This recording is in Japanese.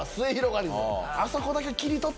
あそこだけ。